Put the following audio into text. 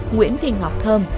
nguyễn thị ngọc thơm